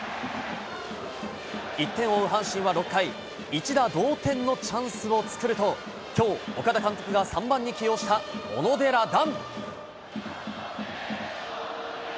１点を追う阪神は６回、一打同点のチャンスを作ると、きょう、岡田監督が３番に起用した小野寺暖。